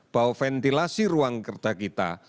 bahwa ventilasi ruang kerja kita